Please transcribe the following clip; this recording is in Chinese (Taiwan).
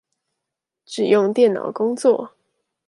只用電腦工作